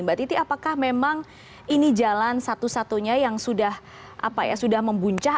mbak titi apakah memang ini jalan satu satunya yang sudah membuncah